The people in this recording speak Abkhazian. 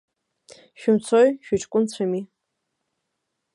Шәымцои, шәыҷкәынцәами.